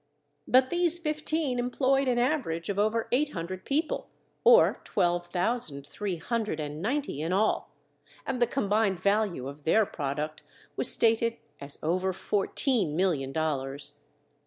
But these fifteen employed an average of over eight hundred people, or twelve thousand three hundred and ninety in all, and the combined value of their product was stated as over fourteen million dollars.